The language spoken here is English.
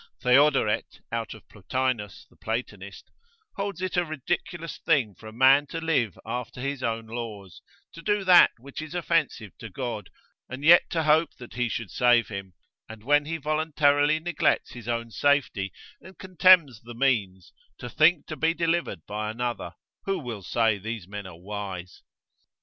Theodoret, out of Plotinus the Platonist, holds it a ridiculous thing for a man to live after his own laws, to do that which is offensive to God, and yet to hope that he should save him: and when he voluntarily neglects his own safety, and contemns the means, to think to be delivered by another: who will say these men are wise?